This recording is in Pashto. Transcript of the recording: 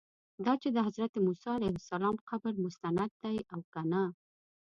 دا چې د حضرت موسی علیه السلام قبر مستند دی او که نه.